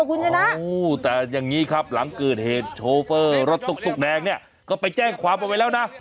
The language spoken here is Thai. คืนเฮดชโฟเฟอร์รถตุ๊กแดงเนี่ยก็ไปแจ้งความออกไปแล้วนะ